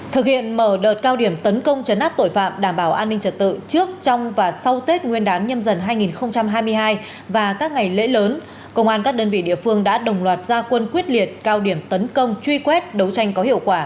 thực hiện mở đợt cao điểm tấn công chấn áp tội phạm đảm bảo an ninh trật tự trước trong và sau tết nguyên đán nhâm dần hai nghìn hai mươi hai và các ngày lễ lớn công an các đơn vị địa phương đã đồng loạt gia quân quyết liệt cao điểm tấn công truy quét đấu tranh có hiệu quả